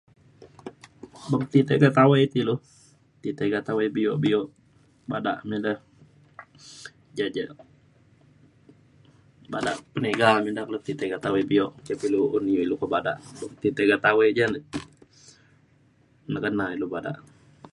Beng ti tiga tawai te ilu ti tiga tawai bio bio bada me ida ja ja bada peniga me ida kulo ti tiga tawai pe ilu un iu ilu ke bada. Ti tiga tawai ja ne nekena ilu bada.